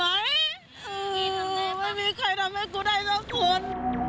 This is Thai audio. ไม่มีใครทำให้กูได้สักคน